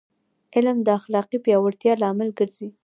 علم د اخلاقي پیاوړتیا لامل ګرځي.